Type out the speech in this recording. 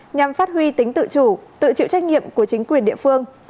nhằm phát huy tính tự chủ tự chịu trách nhiệm của chính quyền địa phương